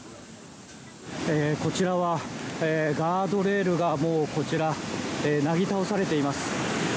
こちらは、ガードレールがなぎ倒されています。